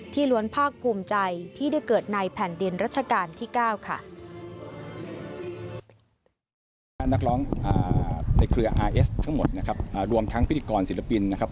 ล้วนภาคภูมิใจที่ได้เกิดในแผ่นดินรัชกาลที่๙ค่ะ